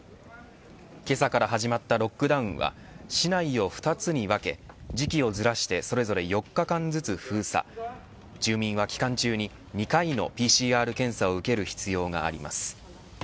けさから始まったロックダウンは市内を２つに分け時期をずらしてそれぞれ４日間ずつ封鎖住民は期間中に２回のＰＣＲ検査を受ける必要があります。